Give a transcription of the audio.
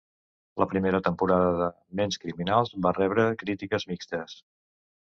La primera temporada de "Ments Criminals" va rebre crítiques mixtes.